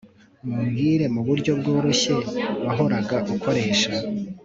mumbwire muburyo bworoshye wahoraga ukoresha